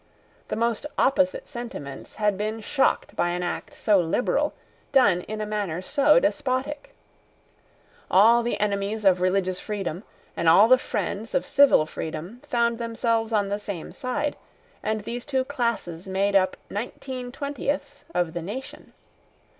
The most opposite sentiments had been shocked by an act so liberal, done in a manner so despotic. All the enemies of religious freedom, and all the friends of civil freedom, found themselves on the same side; and these two classes made up nineteen twentieths of the nation.